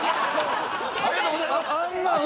ありがとうございます。